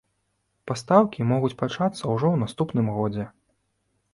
Пастаўкі могуць пачацца ўжо ў наступным годзе.